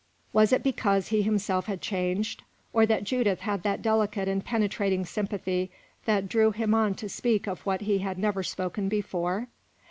Was it because he himself had changed, or that Judith had that delicate and penetrating sympathy that drew him on to speak of what he had never spoken before?